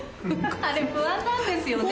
あれ不安なんですよね